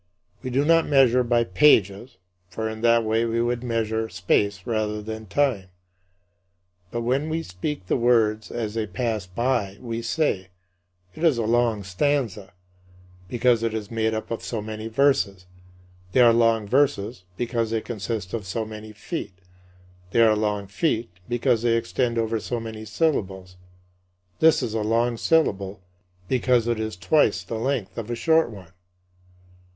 We do not measure by pages for in that way we would measure space rather than time but when we speak the words as they pass by we say: "It is a long stanza, because it is made up of so many verses; they are long verses because they consist of so many feet; they are long feet because they extend over so many syllables; this is a long syllable because it is twice the length of a short one."